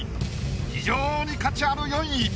非常に価値ある４位。